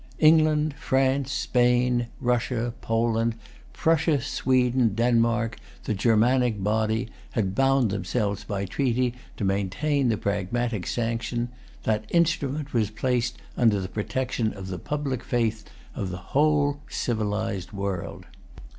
England, France, Spain, Russia, Poland, Prussia, Sweden, Denmark, the Germanic body, had bound themselves by treaty to maintain the Pragmatic Sanction. That instrument was placed under the protection of the public faith of the whole civilized world.